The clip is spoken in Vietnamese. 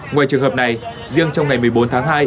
ngoài trường hợp này riêng trong ngày một mươi bốn tháng hai